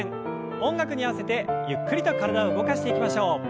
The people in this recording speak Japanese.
音楽に合わせてゆっくりと体を動かしていきましょう。